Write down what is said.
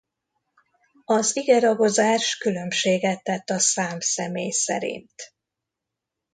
Az igeragozás különbséget tett a szám-személy szerint.